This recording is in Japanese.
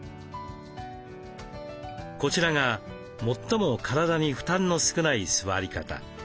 こちらが最も体に負担の少ない座り方。